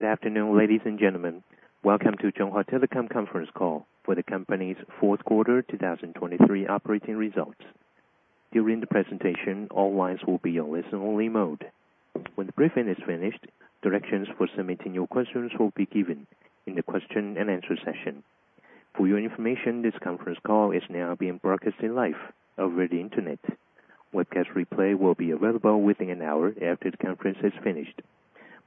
Good afternoon, ladies and gentlemen. Welcome to Chunghwa Telecom conference call for the company's fourth quarter 2023 operating results. During the presentation, all lines will be on listen-only mode. When the briefing is finished, directions for submitting your questions will be given in the question and answer session. For your information, this conference call is now being broadcasted live over the Internet. Webcast replay will be available within an hour after the conference is finished.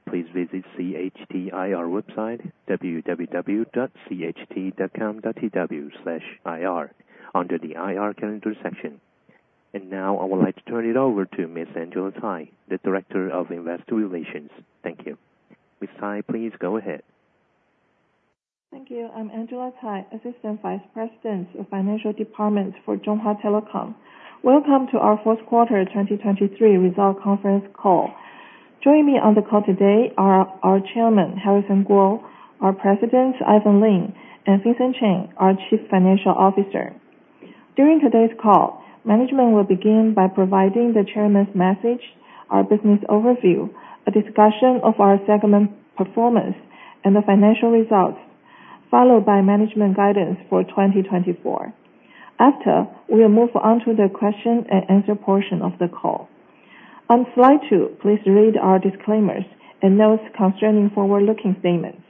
Please visit CHT IR website, www.cht.com.tw/ir under the IR calendar section. Now, I would like to turn it over to Ms. Angela Tsai, the Director of Investor Relations. Thank you. Ms. Tsai, please go ahead. Thank you. I'm Angela Tsai, Assistant Vice President of Financial Department for Chunghwa Telecom. Welcome to our fourth quarter 2023 results conference call. Joining me on the call today are our Chairman, Harrison Kuo, our President, Ivan Lin, and Vincent Chen, our Chief Financial Officer. During today's call, management will begin by providing the chairman's message, our business overview, a discussion of our segment performance and the financial results, followed by management guidance for 2024. After, we'll move on to the question and answer portion of the call. On slide 2, please read our disclaimers and notes concerning forward-looking statements.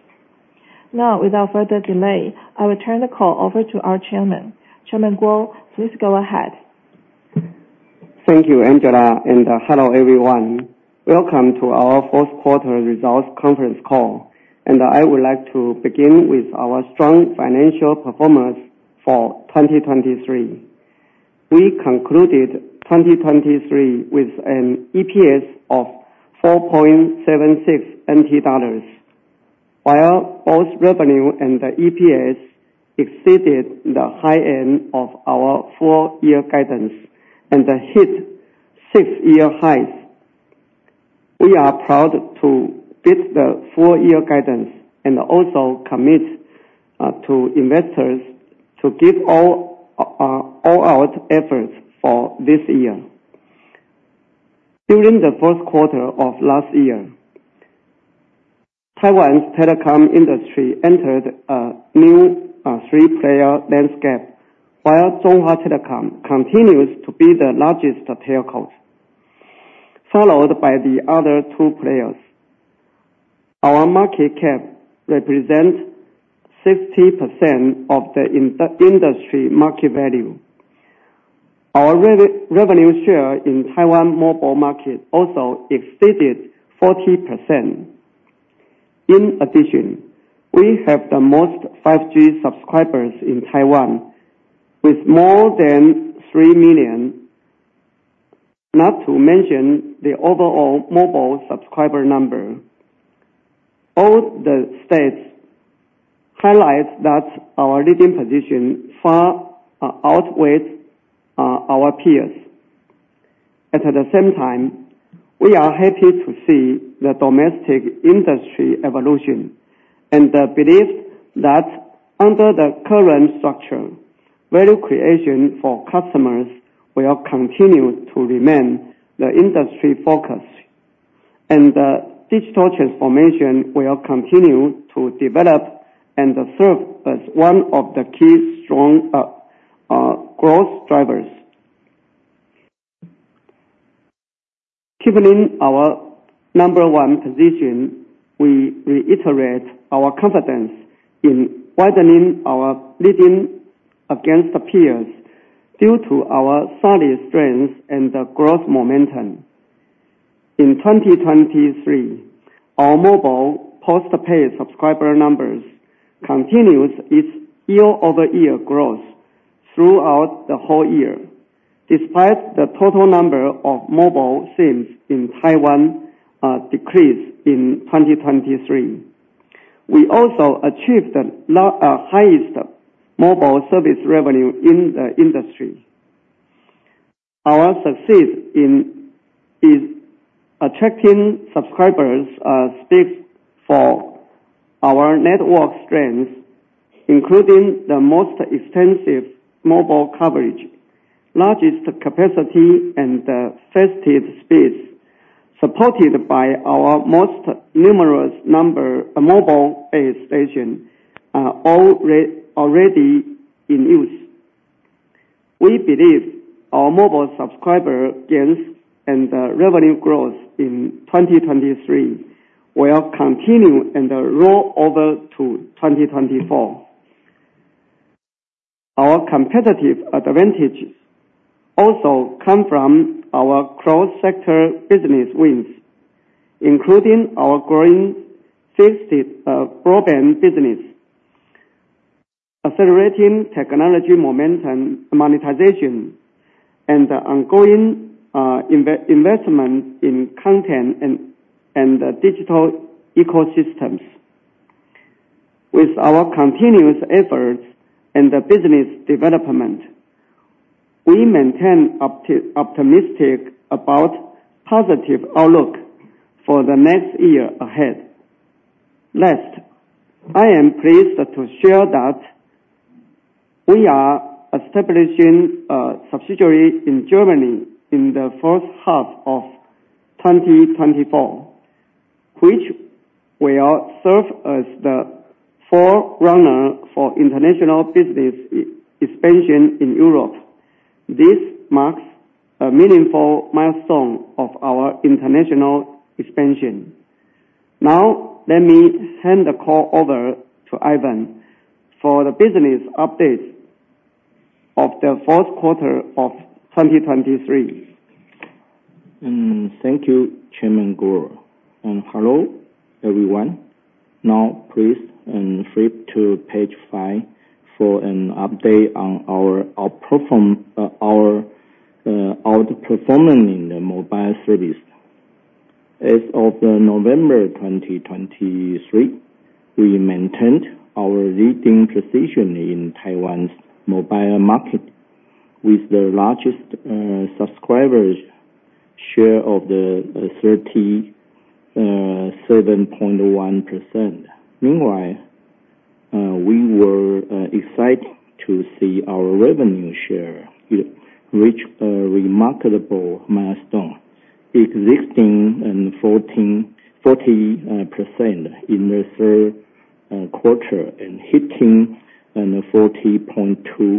Now, without further delay, I will turn the call over to our chairman. Chairman Kuo, please go ahead. Thank you, Angela, and hello, everyone. Welcome to our fourth quarter results conference call, and I would like to begin with our strong financial performance for 2023. We concluded 2023 with an EPS of 4.76 NT dollars, while both revenue and the EPS exceeded the high end of our full year guidance and hit six-year highs. We are proud to beat the full year guidance and also commit to investors to give all out efforts for this year. During the first quarter of last year, Taiwan's telecom industry entered a new three-player landscape, while Chunghwa Telecom continues to be the largest telecom, followed by the other two players. Our market cap represents 60% of the industry market value. Our revenue share in Taiwan mobile market also exceeded 40%. In addition, we have the most 5G subscribers in Taiwan, with more than 3 million, not to mention the overall mobile subscriber number. All the stats highlight that our leading position far outweighs our peers. At the same time, we are happy to see the domestic industry evolution and believe that under the current structure, value creation for customers will continue to remain the industry focus, and digital transformation will continue to develop and serve as one of the key strong growth drivers. Keeping our number one position, we reiterate our confidence in widening our leading against the peers due to our solid strength and the growth momentum. In 2023, our mobile postpaid subscriber numbers continues its year-over-year growth throughout the whole year, despite the total number of mobile SIMs in Taiwan decreased in 2023. We also achieved the highest mobile service revenue in the industry. Our success in attracting subscribers speaks for our network strength, including the most extensive mobile coverage, largest capacity, and fastest speeds, supported by our most numerous mobile base stations already in use. We believe our mobile subscriber gains and revenue growth in 2023 will continue and roll over to 2024. Our competitive advantages also come from our cross-sector business wins, including our growing fixed broadband business, accelerating technology momentum, monetization, and the ongoing investment in content and digital ecosystems. With our continuous efforts and the business development, we maintain optimistic about positive outlook for the next year ahead. Last, I am pleased to share that-... We are establishing a subsidiary in Germany in the first half of 2024, which will serve as the forerunner for international business expansion in Europe. This marks a meaningful milestone of our international expansion. Now, let me hand the call over to Ivan for the business update of the fourth quarter of 2023. Thank you, Chairman Kuo. Hello, everyone. Now, please, flip to page 5 for an update on our outperformance in the mobile service. As of November 2023, we maintained our leading position in Taiwan's mobile market with the largest subscribers share of 37.1%. Meanwhile, we were excited to see our revenue share; it reached a remarkable milestone, existing at 40% in the third quarter and hitting 40.2%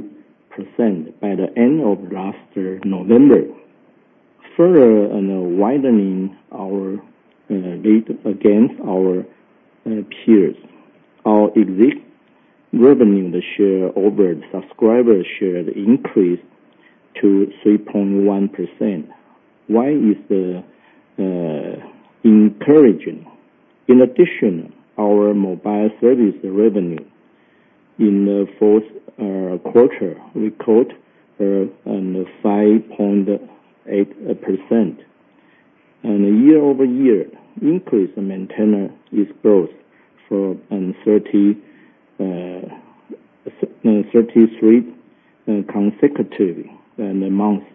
by the end of last November. Further, widening our lead against our peers. Our existing revenue share over the subscriber share increased to 3.1%. Why is this encouraging? In addition, our mobile service revenue in the fourth quarter grew 5.8% year-over-year increase and maintained its growth for 33 consecutive months,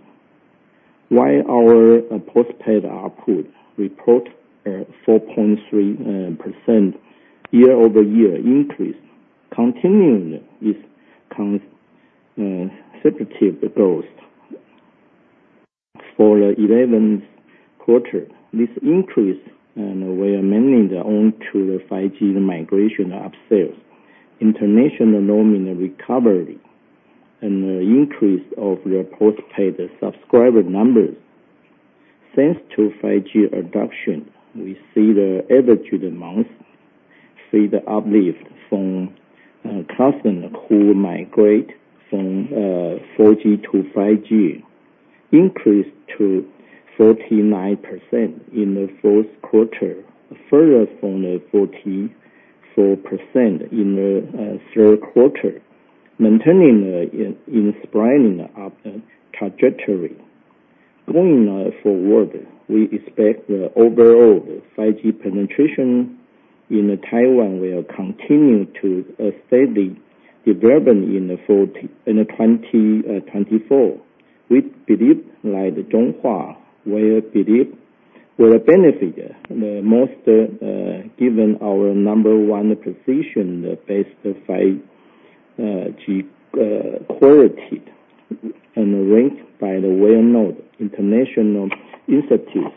while our postpaid ARPU reported 4.3% year-over-year increase, continuing its consecutive growth for the eleventh quarter. This increase were mainly due to the 5G migration upsales, international roaming recovery, and the increase of their postpaid subscriber numbers. Thanks to 5G adoption, we see the average amount, see the uplift from customers who migrate from 4G to 5G increased to 49% in the fourth quarter, up from the 44% in the third quarter, maintaining the inspiring up trajectory. Going forward, we expect the overall 5G penetration in Taiwan will continue to steadily develop in 2024. We believe, like Chunghwa, we believe will benefit the most, given our number one position based on 5G quality and ranked by the well-known international institutes.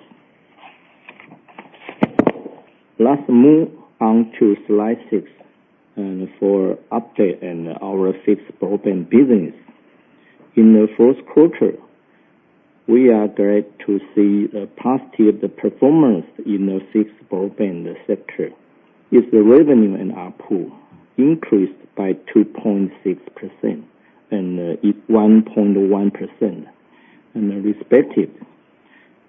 Let's move on to slide 6, and for update in our fixed broadband business. In the fourth quarter, we are glad to see a positive performance in the fixed broadband sector. Its revenue and ARPU increased by 2.6%, and it 1.1% in the respective.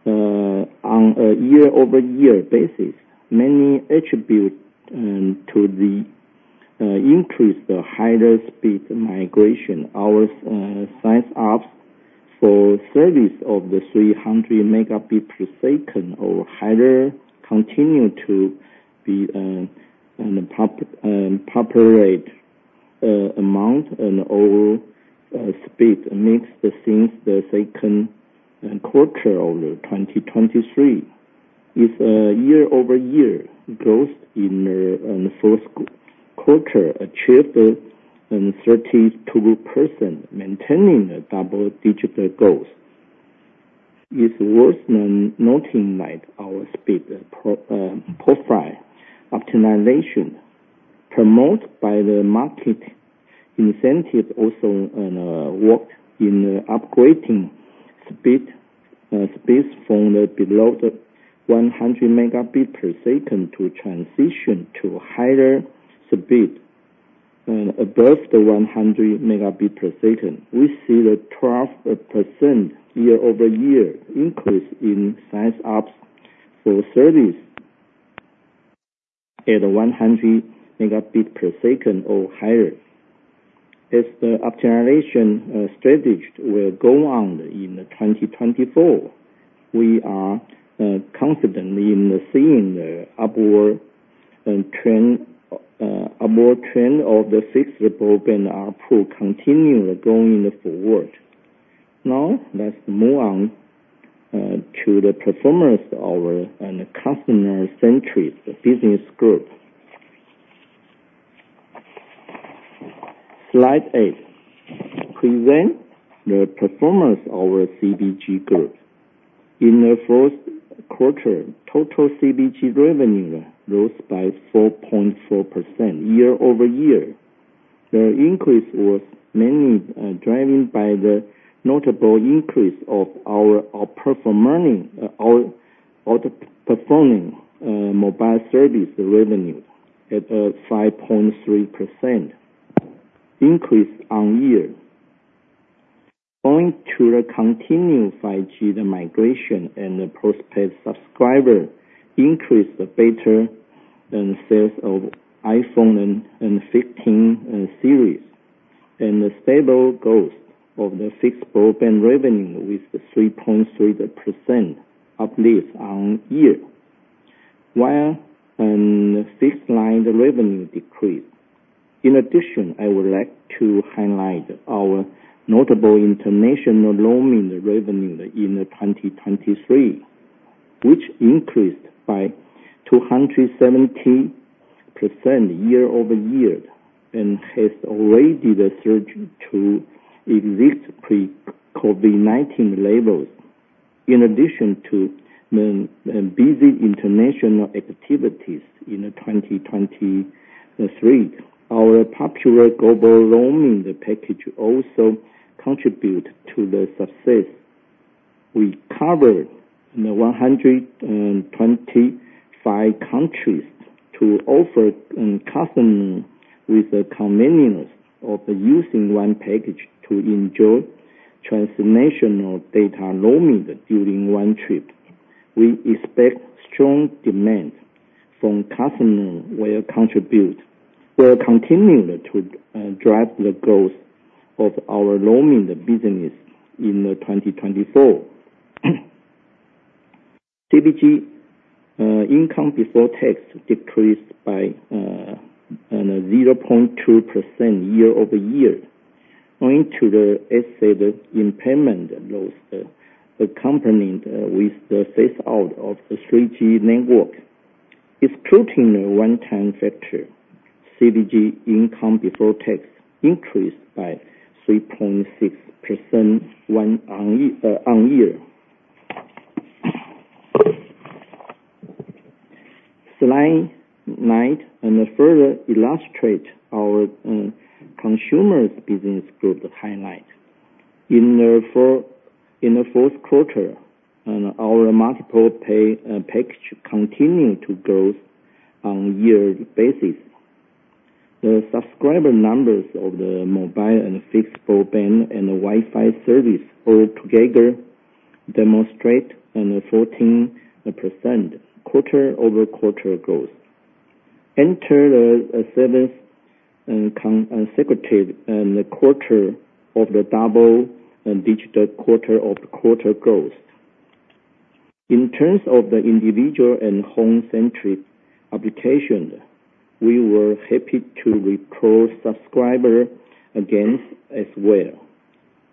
On a year-over-year basis, many attribute to the increased higher speed migration. Our sign-ups for service of the 300 Mbps or higher continued to be popular among the speed mix since the second quarter of 2023. Its year-over-year growth in the fourth quarter achieved 32%, maintaining a double-digit growth. It's worth noting that our speed profile optimization promoted by the market incentive also worked in upgrading speeds from below the 100 Mbps to transition to higher speed above the 100 Mbps. We see the 12% year-over-year increase in sign-ups for service at 100 Mbps or higher. As the optimization strategy will go on in 2024, we are confident in seeing the upward trend of the fixed broadband ARPU continuing going forward. Now, let's move on to the performance of our consumer business group. Slide 8 presents the performance of our CBG group. In the fourth quarter, total CBG revenue rose by 4.4% year-over-year. The increase was mainly driven by the notable increase of our outperforming mobile service revenue at 5.3% increase year-over-year. Going to the continued 5G migration and the postpaid subscriber increase, the better-than sales of iPhone 15 series, and the stable growth of the fixed broadband revenue with 3.3% uplift year-over-year, while fixed line revenue decreased. In addition, I would like to highlight our notable international roaming revenue in 2023, which increased by 270% year-over-year, and has already surged to exist pre-COVID-19 levels. In addition to the busy international activities in 2023, our popular global roaming, the package also contribute to the success. We covered 125 countries to offer customer with the convenience of using one package to enjoy transnational data roaming during one trip. We expect strong demand from customer will contribute, will continue to drive the growth of our roaming business in 2024. CBG income before tax decreased by 0.2% year-over-year, owing to the asset impairment loss accompanied with the phase out of the 3G network. Excluding the one-time factor, CBG income before tax increased by 3.6% year on year. Slide 9 and further illustrate our consumer business group highlight. In the fourth quarter, and our multiple pay package continued to grow on year basis. The subscriber numbers of the mobile and fixed broadband and Wi-Fi service all together demonstrate in a 14% quarter-over-quarter growth, enter the service consecutive, and the quarter of the double-digit quarter-over-quarter growth. In terms of the individual and home entertainment application, we were happy to report subscriber growth as well.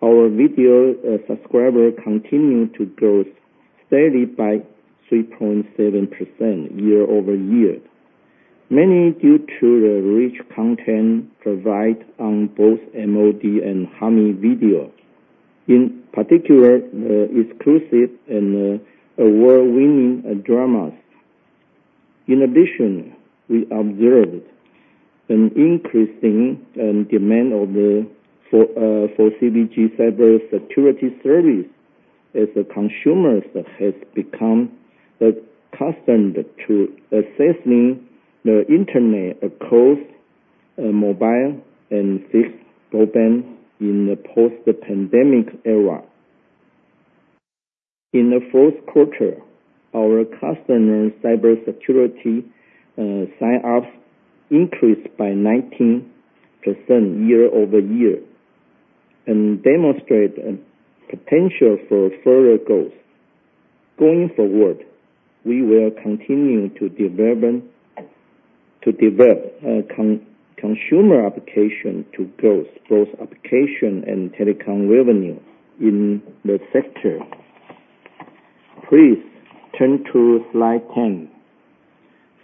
Our video subscriber continued to grow steadily by 3.7% year over year, mainly due to the rich content provided on both MOD and Hami Video, in particular, exclusive and award-winning dramas. In addition, we observed an increasing demand for the CBG cybersecurity service, as the consumers has become accustomed to accessing the internet across mobile and fixed broadband in the post-pandemic era. In the fourth quarter, our customer cybersecurity sign ups increased by 19% year-over-year, and demonstrate a potential for further growth. Going forward, we will continue to develop consumer application to grow both application and telecom revenues in the sector. Please turn to slide 10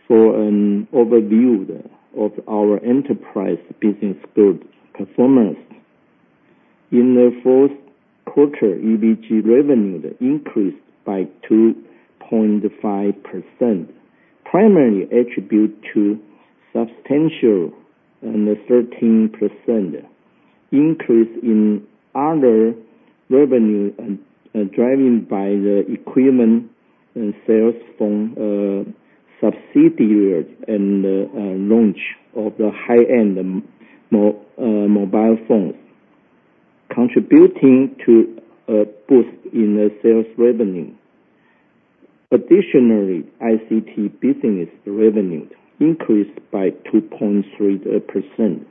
for an overview of our enterprise business group performance. In the fourth quarter, EBG revenue increased by 2.5%, primarily attributed to substantial and a 13% increase in other revenue, driven by the equipment and sales from subsidiaries and launch of the high-end mobile phones, contributing to a boost in the sales revenue. Additionally, ICT business revenue increased by 2.3%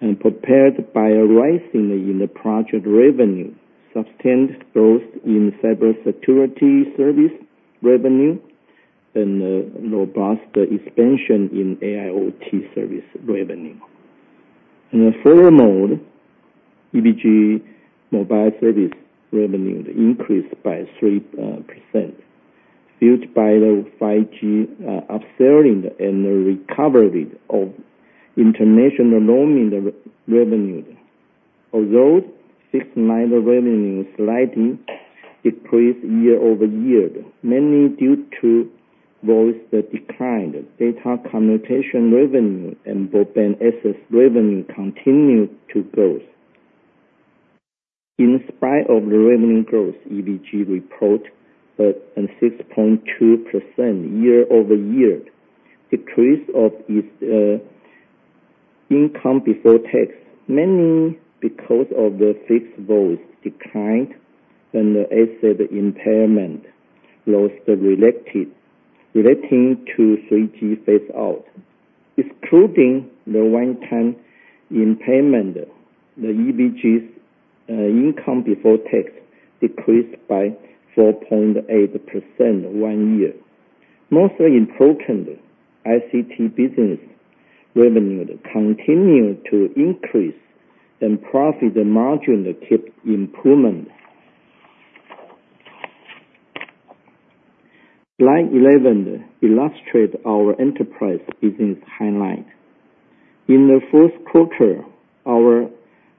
and prepared by a rising in the project revenue, sustained growth in cybersecurity service revenue and a robust expansion in AIoT service revenue. In the further mode, EBG mobile service revenue increased by 3%, fueled by the 5G upselling and the recovery of international roaming revenue. Although fixed-line revenue slightly decreased year-over-year, mainly due to voice decline, data commutation revenue and broadband access revenue continued to grow. In spite of the revenue growth, EBG reported a 6.2% year-over-year decrease of its income before tax, mainly because of the fixed voice decline and the asset impairment loss relating to 3G phase-out. Excluding the one-time impairment, the EBG's income before tax decreased by 4.8% one year. Most importantly, ICT business revenue continued to increase and profit the margin keep improvement. Slide 11 illustrate our enterprise business highlight. In the fourth quarter, our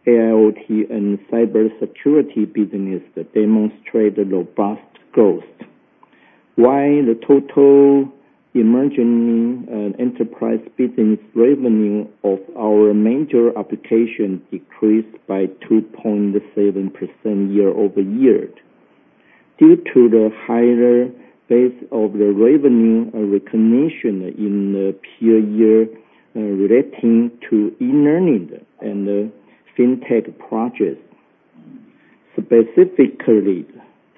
AIoT and cybersecurity business demonstrated robust growth, while the total emerging enterprise business revenue of our major application decreased by 2.7% year-over-year. Due to the higher base of the revenue recognition in the prior year relating to e-learning and fintech projects. Specifically,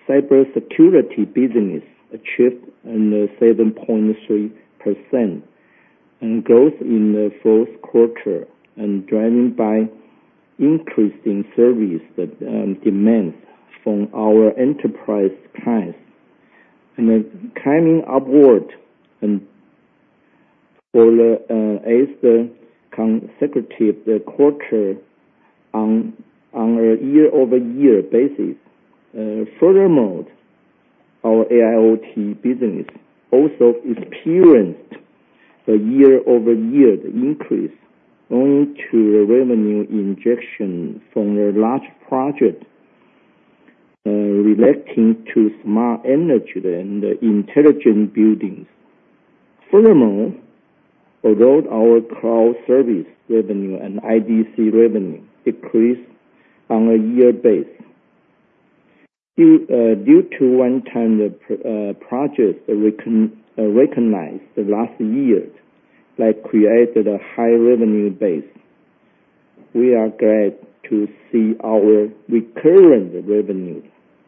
cybersecurity business achieved 7.3% growth in the fourth quarter driven by increasing service demands from our enterprise clients, and then climbing upward, and for the eighth consecutive quarter on a year-over-year basis. Furthermore, our AIoT business also experienced a year-over-year increase, owing to the revenue injection from the large project relating to smart energy and intelligent buildings. Furthermore, although our cloud service revenue and IDC revenue decreased on a year base, due to one-time projects recognized last year that created a high revenue base. We are glad to see our recurring revenue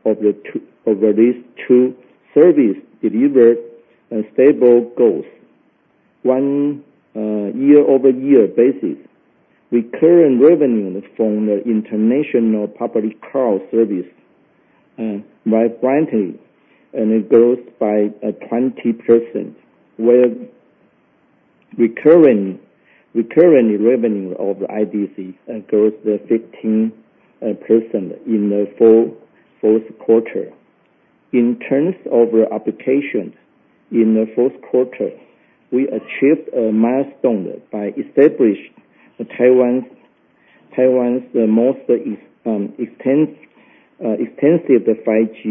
of the two, over these two service delivered a stable growth. On a year-over-year basis, recurring revenue from the international public cloud service rises greatly, and it grows by 20%, where recurring revenue of IDC grows 15% in the fourth quarter. In terms of applications, in the fourth quarter, we achieved a milestone by establishing Taiwan's most extensive 5G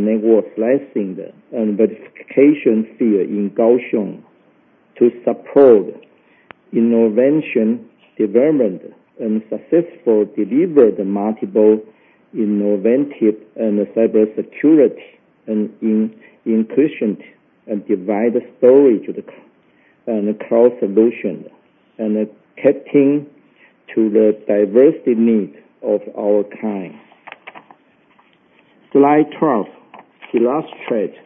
network slicing and verification field in Kaohsiung to support innovation development and successfully deliver the multiple innovative and cybersecurity and increased and divided storage and cloud solution, and adapting to the diversity needs of our clients. Slide 12 illustrates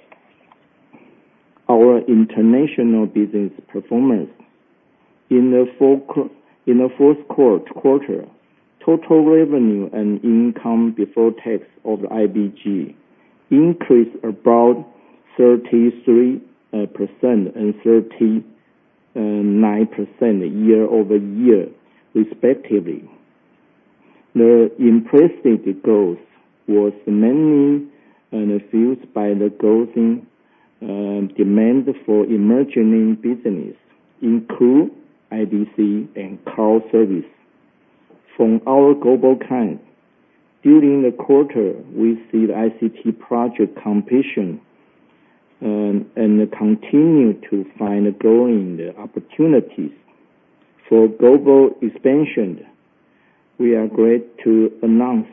our international business performance. In the fourth quarter, total revenue and income before tax of IBG increased about 33% and 39% year-over-year, respectively. The impressive growth was mainly fueled by the growing demand for emerging business, including IBG and cloud service. From our global clients, during the quarter, we see the ICT project completion and continue to find growing the opportunities. For global expansion, we are glad to announce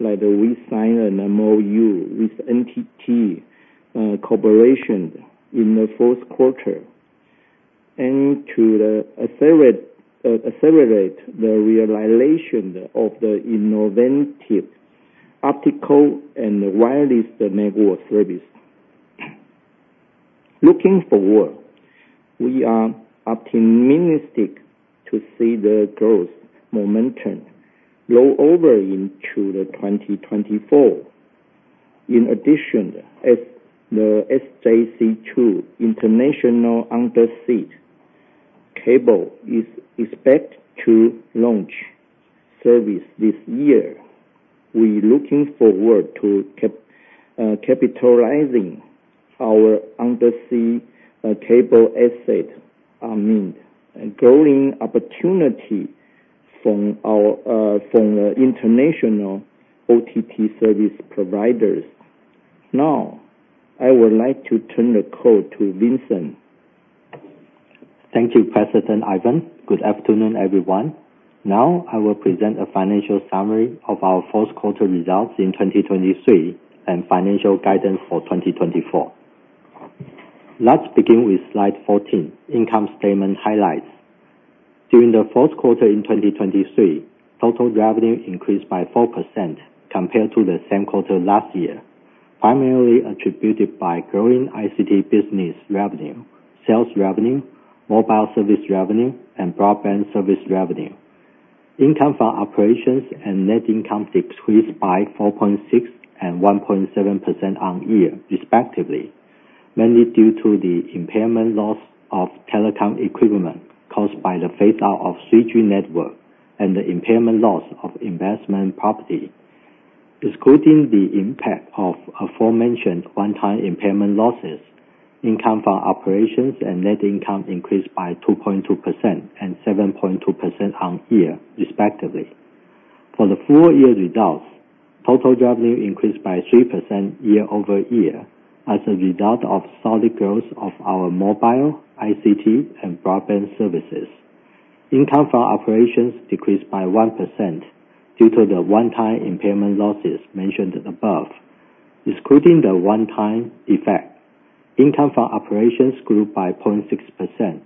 that we signed an MOU with NTT Corporation in the fourth quarter, aiming to accelerate the realization of the innovative optical and wireless network service. We are optimistic to see the growth momentum roll over into 2024. In addition, as the SJC2 international undersea cable is expected to launch service this year, we looking forward to capitalizing our undersea cable asset, amid growing opportunity from the international OTT service providers. Now, I would like to turn the call to Vincent. Thank you, President Ivan. Good afternoon, everyone. Now, I will present a financial summary of our fourth quarter results in 2023, and financial guidance for 2024. Let's begin with slide 14, income statement highlights. During the fourth quarter in 2023, total revenue increased by 4% compared to the same quarter last year, primarily attributed by growing ICT business revenue, sales revenue, mobile service revenue, and broadband service revenue. Income from operations and net income decreased by 4.6% and 1.7% year-on-year respectively, mainly due to the impairment loss of telecom equipment caused by the phase-out of 3G network, and the impairment loss of investment property. Excluding the impact of aforementioned one-time impairment losses, income from operations and net income increased by 2.2% and 7.2% year-on-year, respectively. For the full year results, total revenue increased by 3% year-over-year as a result of solid growth of our mobile, ICT, and broadband services. Income from operations decreased by 1% due to the one-time impairment losses mentioned above. Excluding the one-time effect, income from operations grew by 0.6%.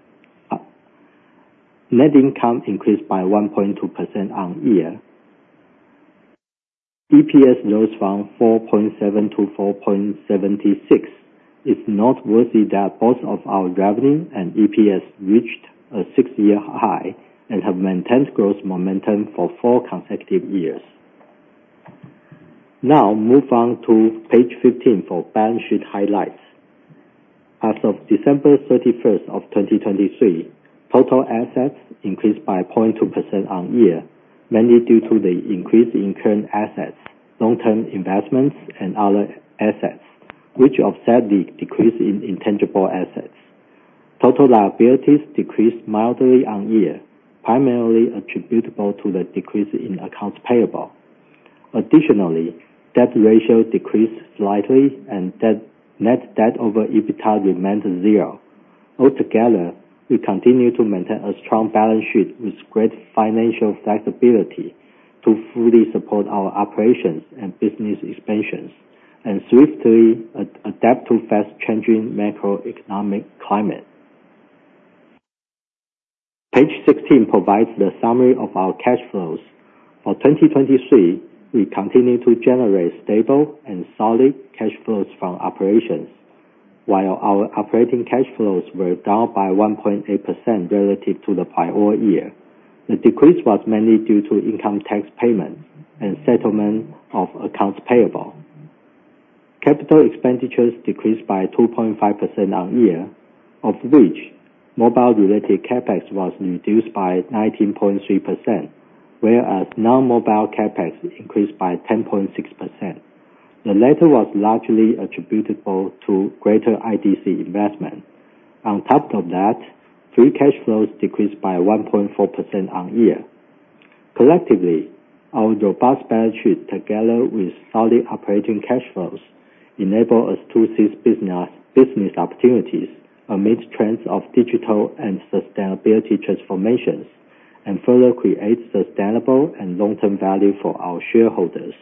Net income increased by 1.2% on-year. EPS rose from 4.7 to 4.76. It's noteworthy that both of our revenue and EPS reached a 6-year high, and have maintained growth momentum for 4 consecutive years. Now, move on to page 15 for balance sheet highlights. As of December 31, 2023, total assets increased by 0.2% on year, mainly due to the increase in current assets, long-term investments, and other assets, which offset the decrease in intangible assets. Total liabilities decreased mildly year-over-year, primarily attributable to the decrease in accounts payable. Additionally, debt ratio decreased slightly and net debt over EBITDA remained zero. Altogether, we continue to maintain a strong balance sheet with great financial flexibility to fully support our operations and business expansions, and swiftly adapt to fast-changing macroeconomic climate. Page 16 provides the summary of our cash flows. For 2023, we continued to generate stable and solid cash flows from operations, while our operating cash flows were down by 1.8% relative to the prior year. The decrease was mainly due to income tax payments and settlement of accounts payable. Capital expenditures decreased by 2.5% year-over-year, of which mobile-related CapEx was reduced by 19.3%, whereas non-mobile CapEx increased by 10.6%. The latter was largely attributable to greater IDC investment. On top of that, free cash flows decreased by 1.4% year-on-year. Collectively, our robust balance sheet, together with solid operating cash flows, enable us to seize business opportunities amidst trends of digital and sustainability transformations, and further create sustainable and long-term value for our shareholders.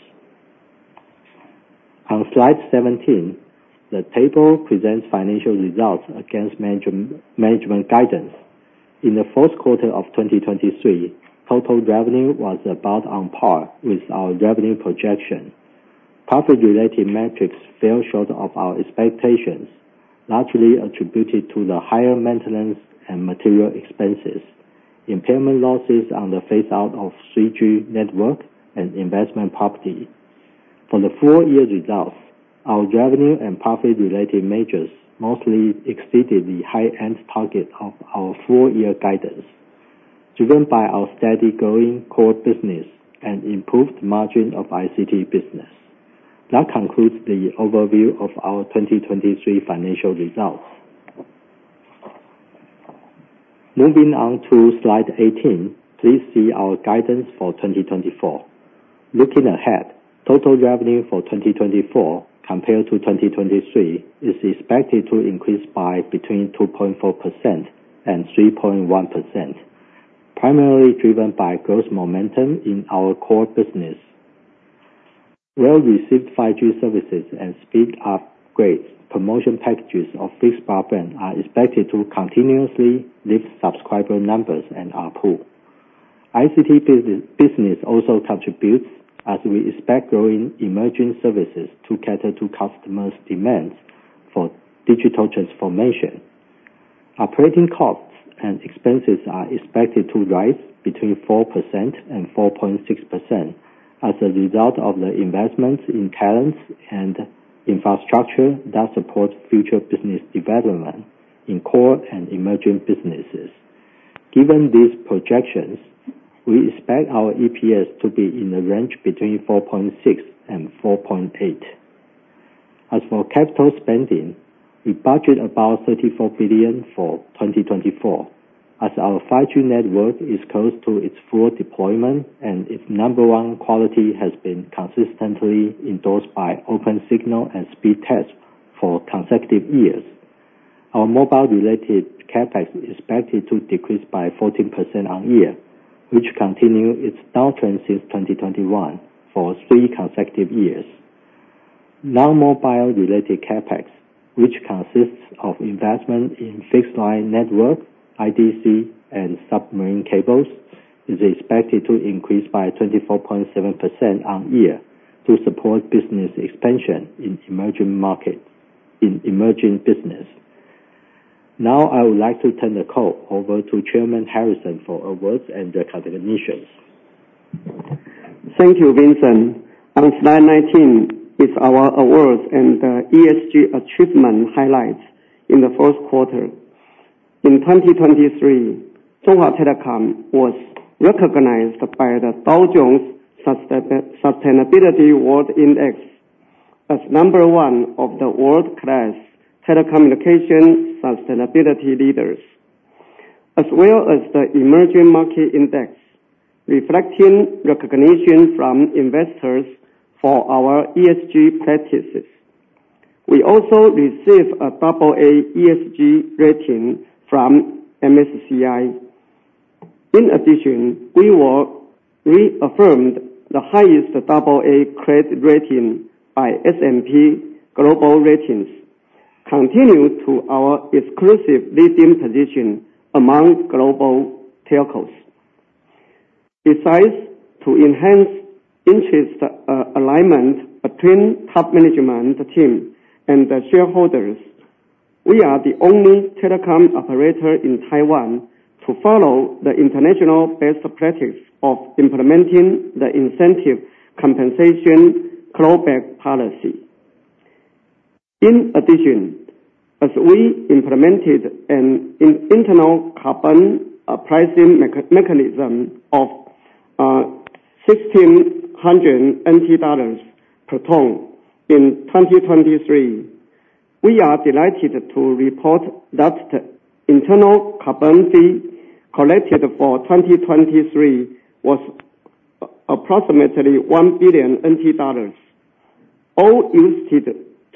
On slide 17, the table presents financial results against management guidance. In the fourth quarter of 2023, total revenue was about on par with our revenue projection. Profit-related metrics fell short of our expectations, largely attributed to the higher maintenance and material expenses, impairment losses on the phase-out of 3G network, and investment property. For the full year results, our revenue and profit-related measures mostly exceeded the high-end target of our full year guidance, driven by our steady growing core business and improved margin of ICT business. That concludes the overview of our 2023 financial results. Moving on to slide 18, please see our guidance for 2024. Looking ahead, total revenue for 2024 compared to 2023, is expected to increase by between 2.4% and 3.1%, primarily driven by growth momentum in our core business. Well-received 5G services and speed upgrade promotion packages of fixed broadband are expected to continuously lift subscriber numbers and ARPU. ICT business, business also contributes as we expect growing emerging services to cater to customers' demands for digital transformation. Operating costs and expenses are expected to rise between 4% and 4.6% as a result of the investment in talents and infrastructure that supports future business development in core and emerging businesses. Given these projections, we expect our EPS to be in the range between NT$4.6 and NT$4.8. As for capital spending, we budget about 34 billion for 2024, as our 5G network is close to its full deployment, and its number one quality has been consistently endorsed by Opensignal and Speedtest for consecutive years. Our mobile-related CapEx is expected to decrease by 14% on year, which continue its downtrend since 2021 for 3 consecutive years. Non-mobile related CapEx, which consists of investment in fixed line network, IDC, and submarine cables, is expected to increase by 24.7% on year to support business expansion in emerging markets, in emerging business. Now, I would like to turn the call over to Chairman Harrison for awards and recognitions. Thank you, Vincent. On slide 19 is our awards and ESG achievement highlights in the first quarter. In 2023, Chunghwa Telecom was recognized by the Dow Jones Sustainability World Index as number one of the world-class telecommunication sustainability leaders, as well as the Emerging Market Index, reflecting recognition from investors for our ESG practices. We also received a double-A ESG rating from MSCI. In addition, we were reaffirmed the highest double-A credit rating by S&P Global Ratings, continuing to our exclusive leading position among global telcos. Besides, to enhance interest alignment between top management team and the shareholders, we are the only telecom operator in Taiwan to follow the international best practice of implementing the incentive compensation clawback policy. In addition, as we implemented an internal carbon pricing mechanism of 1,600 NT dollars per ton in 2023, we are delighted to report that internal carbon fee collected for 2023 was approximately 1 billion NT dollars, all used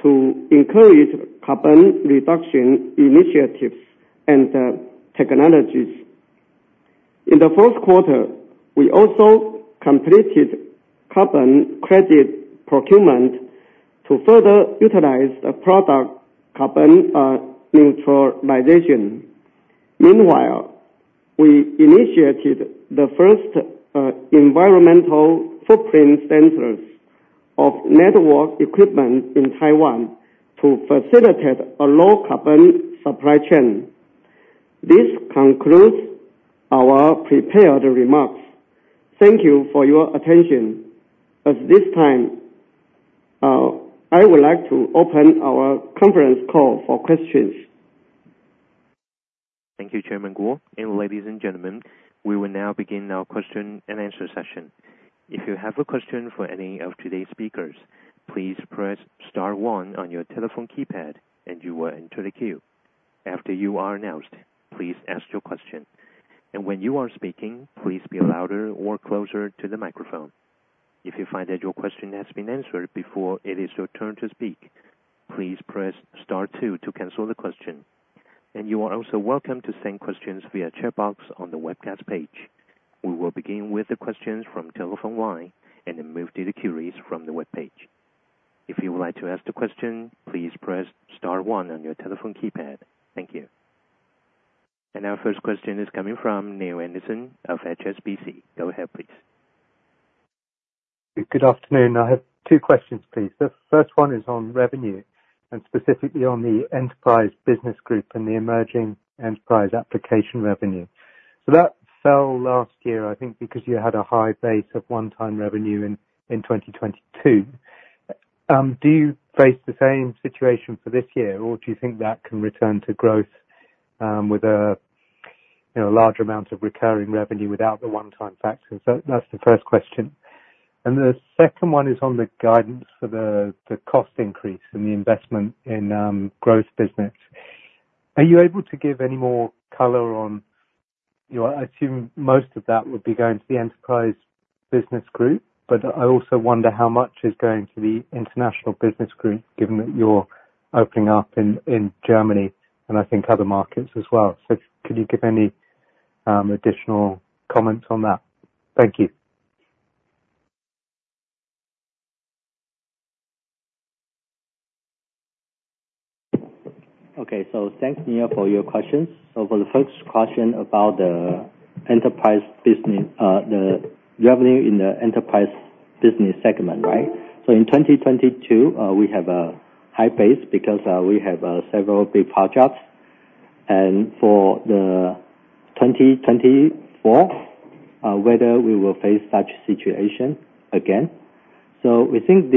to encourage carbon reduction initiatives and technologies. In the first quarter, we also completed carbon credit procurement to further utilize the product carbon neutralization. Meanwhile, we initiated the first environmental footprint census of network equipment in Taiwan to facilitate a low carbon supply chain. This concludes our prepared remarks. Thank you for your attention. At this time, I would like to open our conference call for questions. Thank you, Chairman Kuo. And ladies and gentlemen, we will now begin our question and answer session. If you have a question for any of today's speakers, please press star one on your telephone keypad and you will enter the queue. After you are announced, please ask your question, and when you are speaking, please be louder or closer to the microphone. If you find that your question has been answered before it is your turn to speak, please press star two to cancel the question. And you are also welcome to send questions via chat box on the webcast page. We will begin with the questions from telephone one and then move to the queries from the webpage. If you would like to ask the question, please press star one on your telephone keypad. Thank you. And our first question is coming from Neale Anderson of HSBC. Go ahead, please. Good afternoon. I have two questions, please. The first one is on revenue, and specifically on the Enterprise Business Group and the emerging enterprise application revenue. So that fell last year, I think because you had a high base of one-time revenue in, in 2022. Do you face the same situation for this year, or do you think that can return to growth, with a, you know, larger amount of recurring revenue without the one-time factors? So that's the first question. And the second one is on the guidance for the, the cost increase and the investment in, growth business. Are you able to give any more color on... You know, I assume most of that would be going to the enterprise business group, but I also wonder how much is going to the international business group, given that you're opening up in Germany and I think other markets as well. So could you give any additional comments on that? Thank you. ... Okay, so thanks, Neil, for your questions. For the first question about the enterprise business, the revenue in the enterprise business segment, right? In 2022, we have a high base because we have several big projects. For the 2024, whether we will face such situation again. We think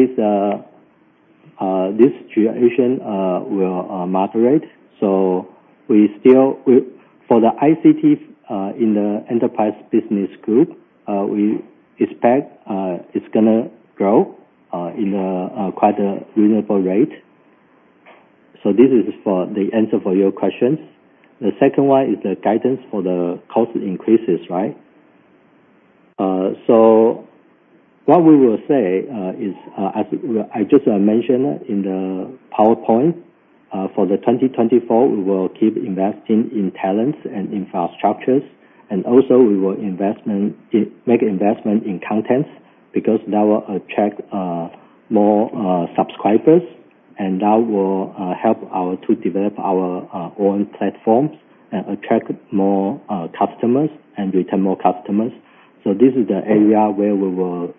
this situation will moderate. We still for the ICT in the enterprise business group, we expect it's gonna grow in a quite a reasonable rate. This is for the answer for your questions. The second one is the guidance for the cost increases, right? So what we will say is, as I just mentioned in the PowerPoint, for the 2024, we will keep investing in talents and infrastructures, and also we will make investment in contents, because that will attract more subscribers, and that will help our to develop our own platforms and attract more customers and retain more customers. So this is the area where we will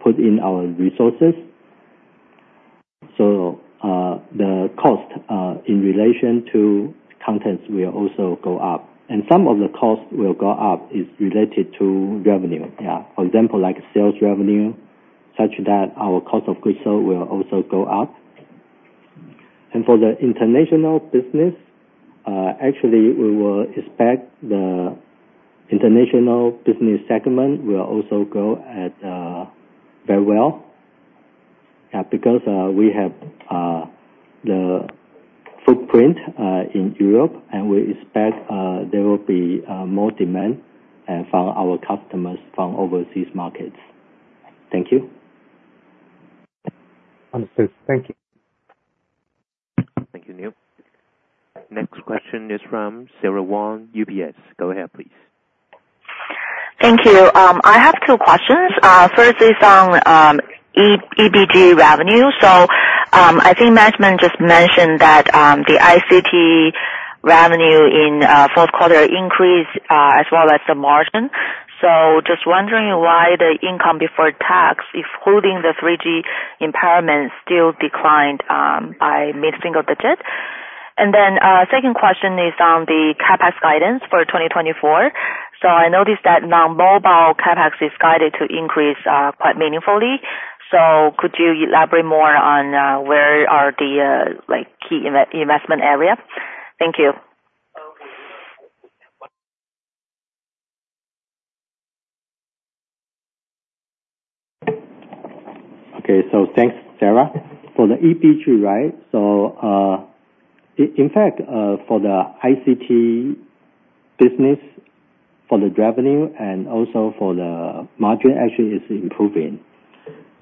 put in our resources. So the cost in relation to contents will also go up, and some of the costs will go up is related to revenue. Yeah, for example, like sales revenue, such that our cost of goods sold will also go up. For the international business, actually, we will expect the international business segment will also go at very well, because we have the footprint in Europe, and we expect there will be more demand from our customers from overseas markets. Thank you. Understood. Thank you. Thank you, Neale. Next question is from Sarah Wang, UBS. Go ahead, please. Thank you. I have two questions. First is on EBG revenue. So I think management just mentioned that the ICT revenue in fourth quarter increased as well as the margin. So just wondering why the income before tax, including the 3G impairment, still declined by mid single digit. And then second question is on the CapEx guidance for 2024. So I noticed that non-mobile CapEx is guided to increase quite meaningfully. So could you elaborate more on where are the like key investment area? Thank you. Okay. So thanks, Sarah. For the EBITDA, right? So, in fact, for the ICT business, for the revenue and also for the margin actually is improving.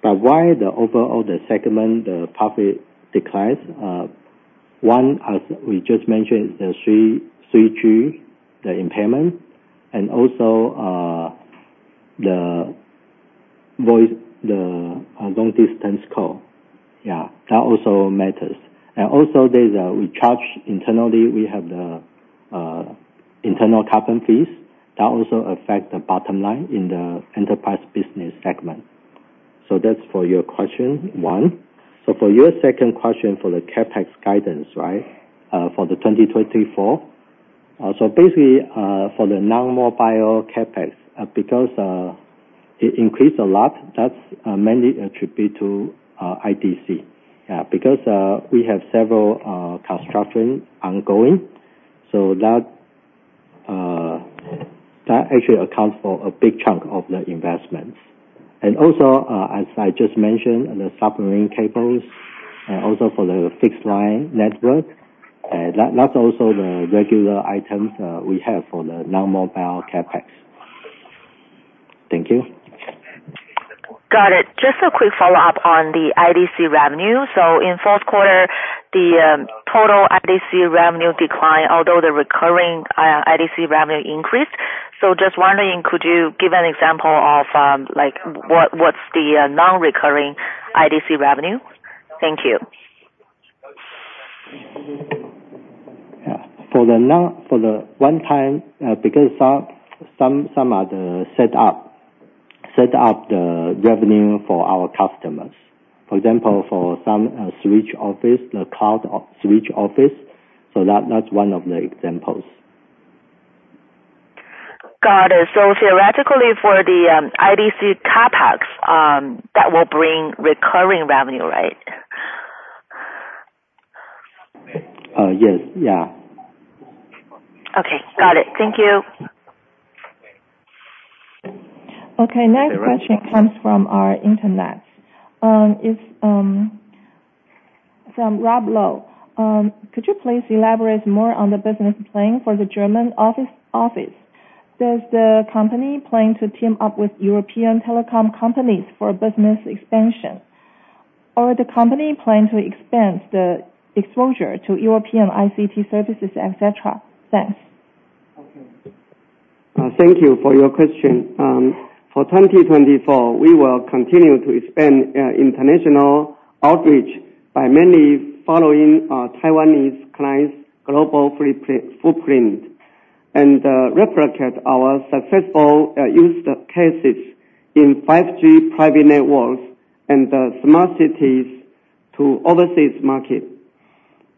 But why the overall, the segment, the profit declines? One, as we just mentioned, the 3G, the impairment and also, the voice, the long distance call. Yeah, that also matters. And also there's, we charge internally, we have the internal carbon fees that also affect the bottom line in the enterprise business segment. So that's for your question one. So for your second question, for the CapEx guidance, right? For 2024. So basically, for the non-mobile CapEx, because it increased a lot, that's mainly attributed to IDC. Because we have several construction ongoing, so that actually accounts for a big chunk of the investments. And also, as I just mentioned, the submarine cables and also for the fixed line network, that's also the regular items we have for the non-mobile CapEx. Thank you. Got it. Just a quick follow-up on the IDC revenue. So in fourth quarter, the total IDC revenue declined, although the recurring IDC revenue increased. So just wondering, could you give an example of, like, what, what's the non-recurring IDC revenue? Thank you. Yeah. For the long, for the one time, because some are the set up, set up the revenue for our customers. For example, for some switch office, the cloud switch office. So that, that's one of the examples. Got it. So theoretically, for the IDC CapEx, that will bring recurring revenue, right? Yes. Yeah. Okay. Got it. Thank you. Okay, next question comes from our internet. Is from Rob Luo. Could you please elaborate more on the business plan for the German office? Does the company plan to team up with European telecom companies for business expansion, or the company plan to expand the exposure to European ICT services, et cetera? Thanks.... Thank you for your question. For 2024, we will continue to expand international outreach by mainly following Taiwanese clients' global footprint, footprint, and replicate our successful use cases in 5G private networks and smart cities to overseas market.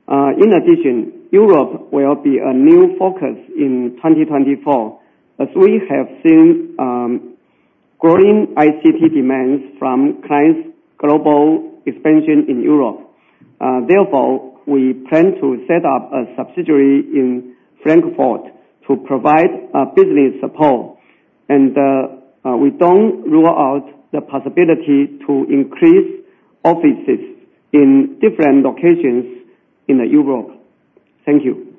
In addition, Europe will be a new focus in 2024, as we have seen growing ICT demands from clients' global expansion in Europe. Therefore, we plan to set up a subsidiary in Frankfurt to provide business support, and we don't rule out the possibility to increase offices in different locations in Europe. Thank you.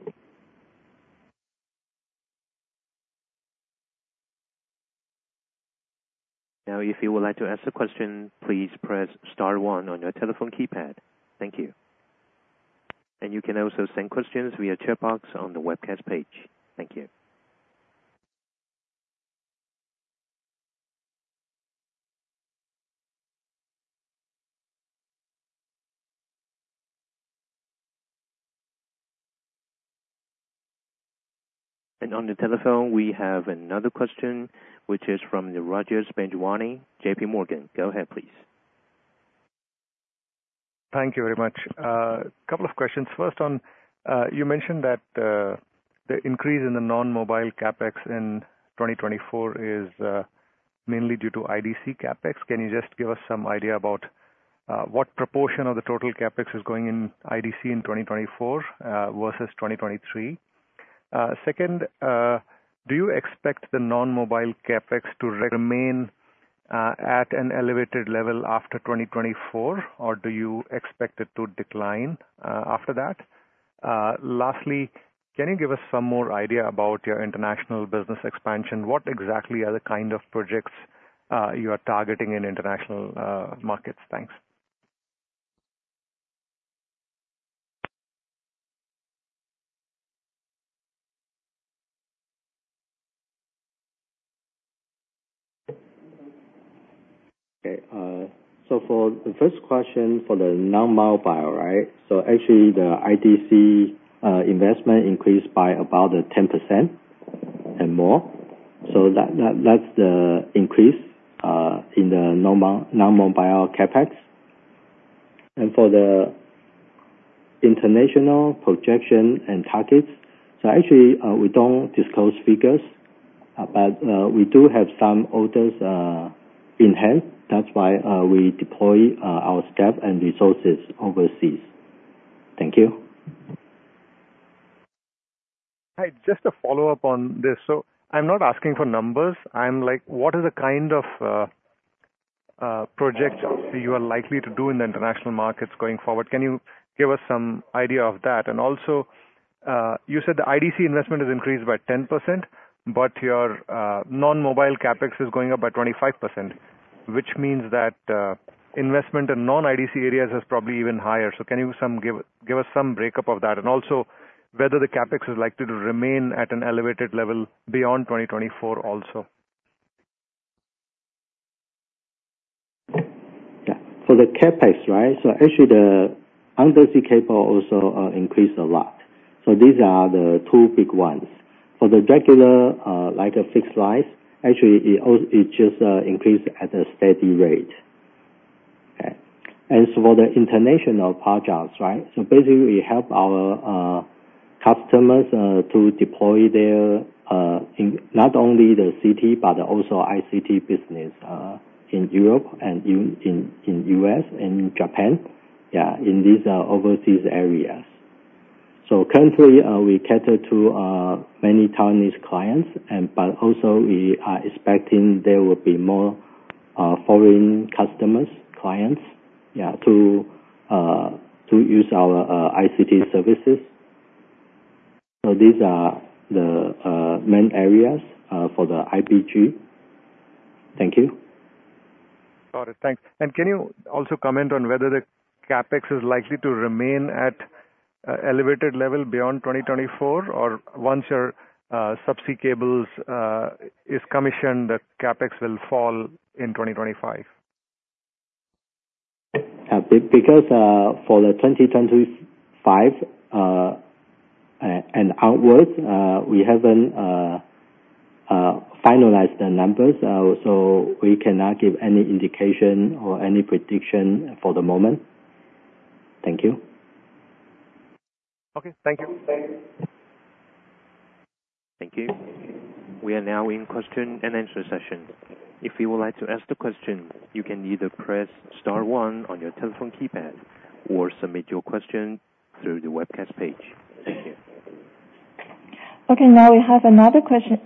Now, if you would like to ask a question, please press star one on your telephone keypad. Thank you. And you can also send questions via chat box on the webcast page. Thank you. And on the telephone, we have another question, which is from Rajesh Panjwani, JPMorgan. Go ahead, please. Thank you very much. A couple of questions. First, on, you mentioned that the increase in the non-mobile CapEx in 2024 is mainly due to IDC CapEx. Can you just give us some idea about what proportion of the total CapEx is going in IDC in 2024 versus 2023? Second, do you expect the non-mobile CapEx to remain at an elevated level after 2024, or do you expect it to decline after that? Lastly, can you give us some more idea about your international business expansion? What exactly are the kind of projects you are targeting in international markets? Thanks. Okay, so for the first question, for the non-mobile, right? So actually, the IDC investment increased by about 10% and more, so that's the increase in the non-mobile CapEx. And for the international projection and targets, so actually, we don't disclose figures, but we do have some orders in hand. That's why we deploy our staff and resources overseas. Thank you. Hi, just to follow up on this. So I'm not asking for numbers. I'm like, what are the kind of projects you are likely to do in the international markets going forward? Can you give us some idea of that? And also, you said the IDC investment is increased by 10%, but your non-mobile CapEx is going up by 25%, which means that investment in non-IDC areas is probably even higher. So can you give us some breakup of that, and also whether the CapEx is likely to remain at an elevated level beyond 2024 also? Yeah. For the CapEx, right? So actually, the undersea cable also increased a lot, so these are the two big ones. For the regular, like a fixed price, actually, it just increased at a steady rate. Okay. So for the international projects, right? So basically, we help our customers to deploy their in not only the city, but also ICT business in Europe and in U.S. and Japan, yeah, in these overseas areas. So currently, we cater to many Taiwanese clients and, but also we are expecting there will be more foreign customers, clients, yeah, to use our ICT services. So these are the main areas for the IBG. Thank you. Got it. Thanks. Can you also comment on whether the CapEx is likely to remain at elevated level beyond 2024? Or once your subsea cables is commissioned, the CapEx will fall in 2025. Because for 2025 and outwards, we haven't finalized the numbers, so we cannot give any indication or any prediction for the moment. Thank you. Okay. Thank you. Thank you. We are now in question and answer session. If you would like to ask the question, you can either press star one on your telephone keypad or submit your question through the webcast page. Thank you. Okay, now we have another question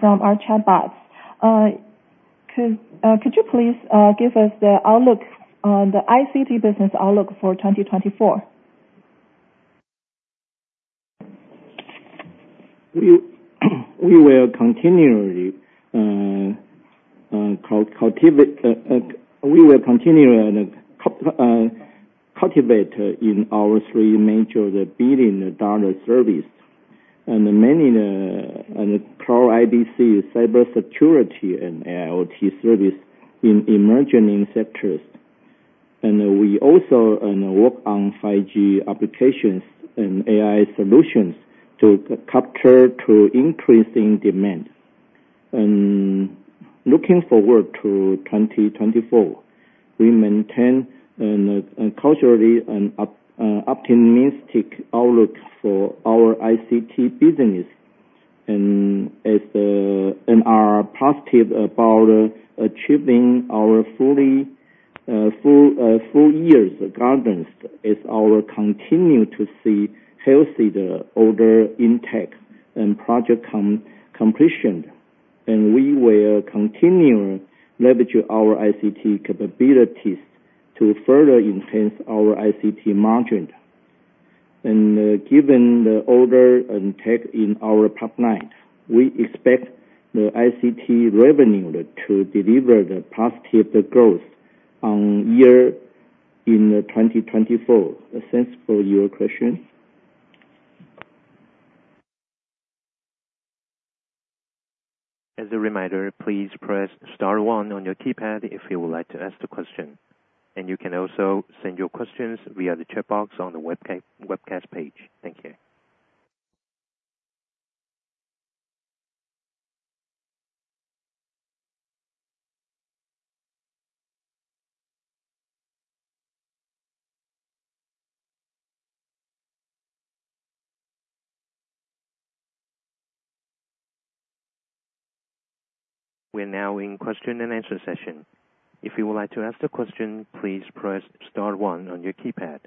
from our chat box. Could you please give us the outlook on the ICT business outlook for 2024? We will continually, We will continue and cultivate our three major billion-dollar services: cloud, IDC, cybersecurity, and IoT services in emerging sectors. We also work on 5G applications and AI solutions to capture the increasing demand. Looking forward to 2024, we maintain a cautiously optimistic outlook for our ICT business, and we are positive about achieving our full-year guidance, as we continue to see healthy order intake and project completion. We will continue to leverage our ICT capabilities to further enhance our ICT margin. Given the order intake in our pipeline, we expect the ICT revenue to deliver positive year-on-year growth in 2024. Thanks for your question. As a reminder, please press star one on your keypad if you would like to ask the question. You can also send your questions via the chat box on the webcast page. Thank you. We're now in question and answer session. If you would like to ask the question, please press star one on your keypad,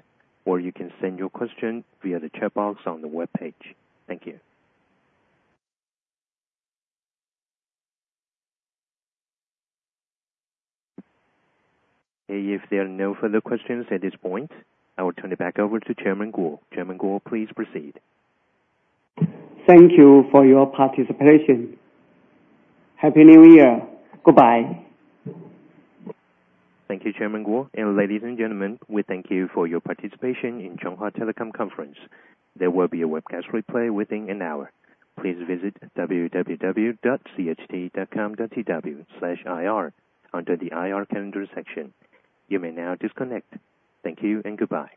or you can send your question via the chat box on the webpage. Thank you. If there are no further questions at this point, I will turn it back over to Chairman Kuo. Chairman Kuo, please proceed. Thank you for your participation. Happy New Year! Goodbye. Thank you, Chairman Kuo. Ladies and gentlemen, we thank you for your participation in Chunghwa Telecom conference. There will be a webcast replay within an hour. Please visit www.cht.com.tw/ir under the IR calendar section. You may now disconnect. Thank you and goodbye.